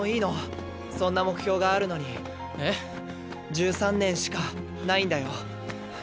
１３年しかないんだよ？